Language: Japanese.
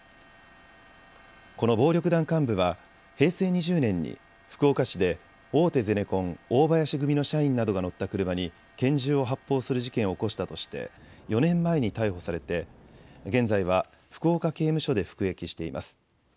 この暴力団幹部は平成２０年に福岡市で大手ゼネコン、大林組の社員などが乗った車に拳銃を発砲する事件を起こしたとして４年前に逮捕されて現在は福岡刑務所で服役しています。